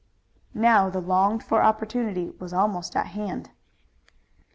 Now the longed for opportunity was almost at hand.